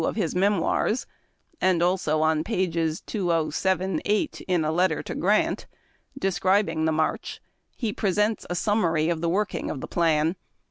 of his Memoirs, and also on pages 207 8, in a letter to Grant, describing the march, he presents a summary of the working of the plan.